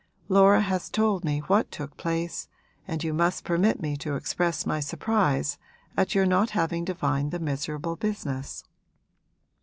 Laura has told me what took place, and you must permit me to express my surprise at your not having divined the miserable business.'